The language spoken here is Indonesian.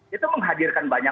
itu menghadirkan banyak